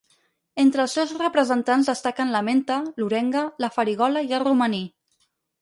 Entre els seus representants destaquen la menta, l'orenga, la farigola i el romaní.